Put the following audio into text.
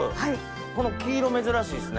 この黄色珍しいですね。